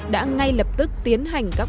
đã ngay lập tức tiến hành